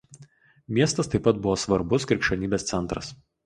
Miestas taip pat buvo svarbus krikščionybės centras.